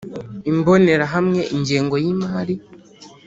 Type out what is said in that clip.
Imbonerahamwe ingengo y imari